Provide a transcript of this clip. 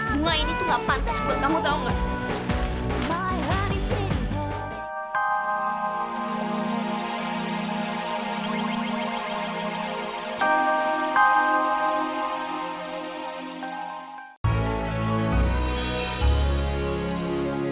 bunga ini tuh gak pantas buat kamu tau gak